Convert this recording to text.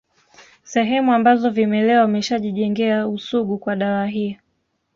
Sehemu ambazo vimelea wameshajijengea usugu kwa dawa hii